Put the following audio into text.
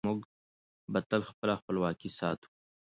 موږ به تل خپله خپلواکي ساتو.